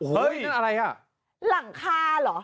นั่นอะไรฮะเฮ้ยหลังคาเหรอ